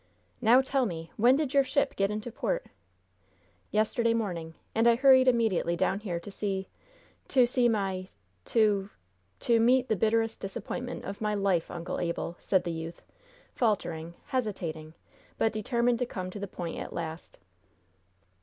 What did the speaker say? "Now tell me! When did your ship get into port?" "Yesterday morning, and I hurried immediately down here to see to see my to to meet the bitterest disappointment of my life, Uncle Abel!" said the youth, faltering, hesitating, but determined to come to the point at last.